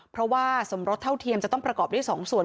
เพราะว่าสมรสเท่าเทียมจะต้องประกอบด้วย๒ส่วน